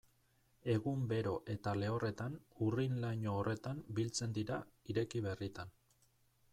Egun bero eta lehorretan urrin-laino horretan biltzen dira, ireki berritan.